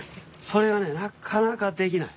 それがねなかなかできない。